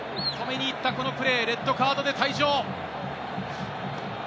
止めにいったこのプレー、レッドカードで退場。